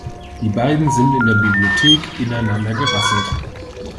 Die beiden sind in der Bibliothek ineinander gerasselt.